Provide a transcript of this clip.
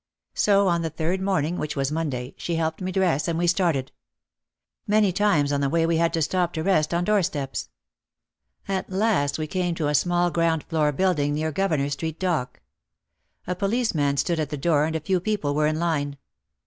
So on the third morning, which was Monday, she helped me dress and we started. Many times on the way we had to stop to rest on door steps. At last we came to a small ground floor building near Gouverneur Street dock. A policeman stood at the door and a few people were in line.